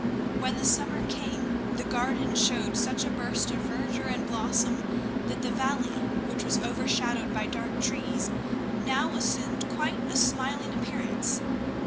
When the summer came, the garden showed such a burst of verdure and blossom, that the valley, which was overshadowed by dark trees, now assumed quite a smiling appearance.